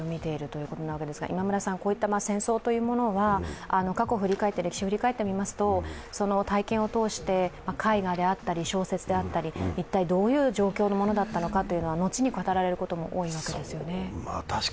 こういった戦争というものは、過去、歴史を振り返ってみますと、体験を通して、絵画であったり、小説であったり、一体どういう状況のものだったのかというのは後に語られることも多いわけですよね。